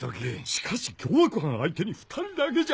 しかし凶悪犯相手に２人だけじゃ。